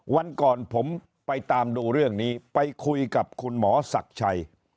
วันก่อนผมไปตามดูเรื่องนี้ไปคุยกับคุณหมอศักดิ์ชัย